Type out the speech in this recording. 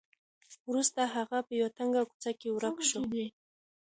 وروسته هغه په یوه تنګه کوڅه کې ورک شو.